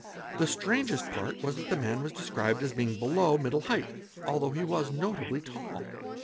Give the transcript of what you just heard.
The strangest part was — that the man was described as being below middle height, although he was notably tall.